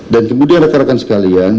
dan kemudian rekan rekan sekalian